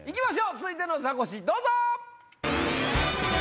続いてのザコシどうぞ！